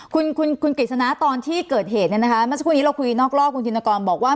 คุณคุณกฤษณะตอนที่เกิดเหตุเนี่ยนะคะเมื่อสักครู่นี้เราคุยนอกรอบคุณธินกรบอกว่า